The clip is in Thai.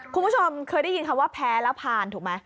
คุณผู้ชมเคยได้ยินคำว่าแพ้แล้วผ่านถูกไหม